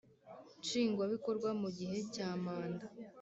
Nshingwa Bikorwa Mu Gihe Cya Manda